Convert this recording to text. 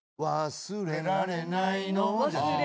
「忘れられないの」